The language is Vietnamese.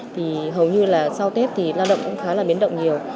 thì hầu như là sau tết thì lao động cũng khá là biến động nhiều